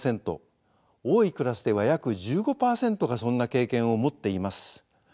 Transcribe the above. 多いクラスでは約１５％がそんな経験を持っています。